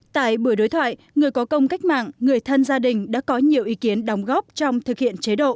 tại buổi đối thoại người có công cách mạng người thân gia đình đã có nhiều ý kiến đóng góp trong thực hiện chế độ